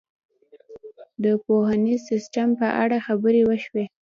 د پوهنیز سیستم په اړه خبرې وشوې.